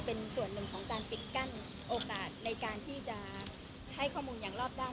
เป็นส่วนหนึ่งของการปิดกั้นโอกาสในการที่จะให้ข้อมูลอย่างรอบด้าน